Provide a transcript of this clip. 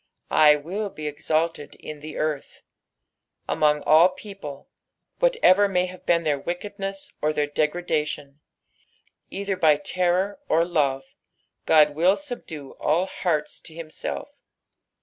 " T aill be exalted in the earth," among all people, whatever may have been their wickedness or their degradation. Either by terror or love God will subdue all hearts to himself.